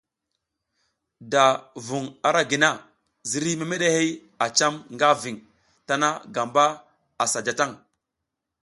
Da vung ara gi na, ziriy memeɗehey a cam nga ving tana gamba sa ja tang.